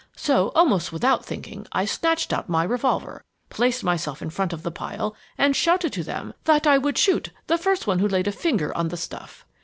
So, almost without thinking, I snatched out my revolver, placed myself in front of the pile, and shouted to them that I would shoot the first one who laid a finger on the stuff.